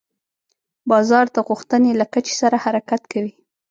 بازار د غوښتنې له کچې سره حرکت کوي.